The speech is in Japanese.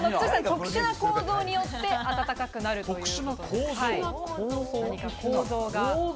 特殊な構造によって温かくなるという。